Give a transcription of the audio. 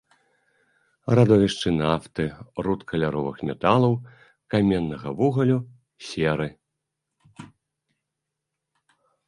Радовішчы нафты, руд каляровых металаў, каменнага вугалю, серы.